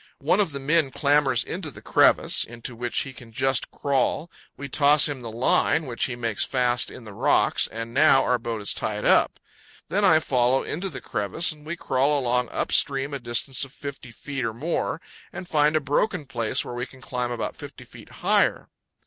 One of the men clambers into the crevice, into which he can just crawl; we toss him the line, which he makes fast in the rocks, and now our boat is tied up. Then I follow into the crevice and we crawl along up stream a distance of 50 feet or more, and find a broken place where we can climb about 50 feet higher.